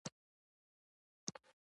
هو، د پیرودلو څخه مخکې